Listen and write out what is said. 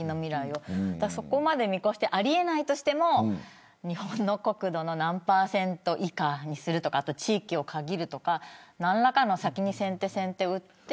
そこまで見越してあり得ないとしても日本の国土の何％以下にするとか地域を限るとか何らかの先手を打たないと。